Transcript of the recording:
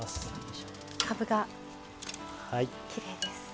かぶがきれいです。